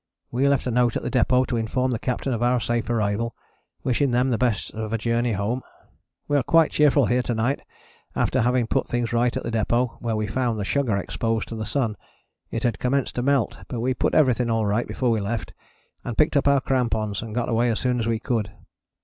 We left a note at the depôt to inform the Captain of our safe arrival, wishing them the best of a journey home. We are quite cheerful here to night, after having put things right at the depôt, where we found the sugar exposed to the sun; it had commenced to melt, but we put everything alright before we left, and picked up our crampons and got away as soon as we could.